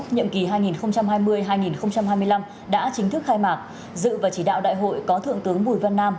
nhiệm kỳ hai nghìn hai mươi hai nghìn hai mươi năm đã chính thức khai mạc dự và chỉ đạo đại hội có thượng tướng bùi văn nam